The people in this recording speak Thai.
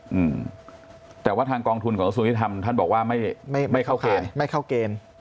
อืมแต่ว่าทางกองทุนของอ๋างสุริทำท่านบอกว่าไม่เข้าเกณฑ์